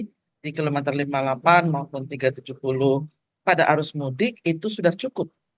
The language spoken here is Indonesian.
jadi di kelemahan terlima lapan maupun tiga tujuh puluh pada arus mudik itu sudah cukup